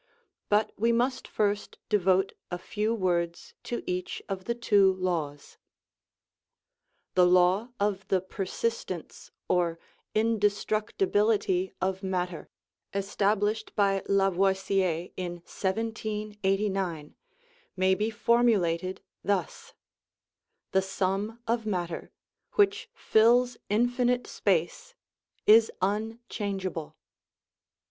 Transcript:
But we must first devote a few words to each of the two laws. The law of the "persistence" or "indestructibility of matter," established by Lavoisier in 1789, may be for mulated thus : The sum of matter, which fills infinite space, is unchangeable.